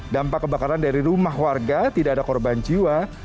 dampak kebakaran dari rumah warga tidak ada korban jiwa